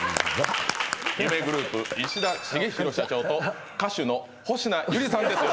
夢グループ石田重廣社長と歌手の保科有里さんです